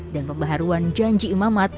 dan pembaharuan janji imamat